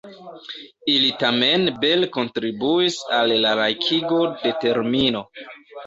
Ili tamen bele kontribuis al la laikigo de termino.